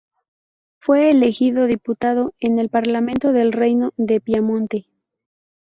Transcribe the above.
Fue elegido diputado en el parlamento del reino de Piamonte.